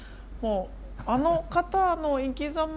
あの方の生きざま